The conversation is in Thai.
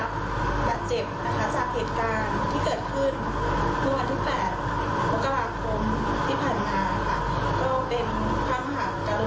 ก็ไม่ใช่ต้องอย่าลืมว่าไม่ใช่แค่จอยที่เจ็บนะคะเจ้านี้